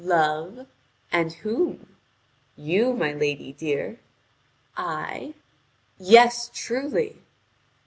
"Love? And whom?" "You, my lady dear." "I?" "Yes, truly."